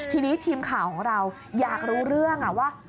ทีนี้ทีมข่าวของเราอยากรู้เรื่องว่า